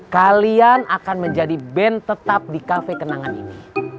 kalian akan menjadi band tetap di kafe kenangan ini